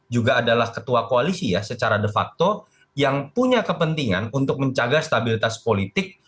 juga adalah ketua koalisi ya secara de facto yang punya kepentingan untuk menjaga stabilitas politik